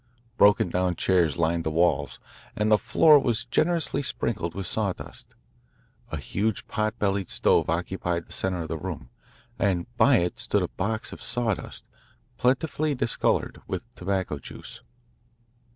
Broken down chairs lined the walls, and the floor was generously sprinkled with sawdust. A huge pot bellied stove occupied the centre of the room, and by it stood a box of sawdust plentifully discoloured with tobacco juice.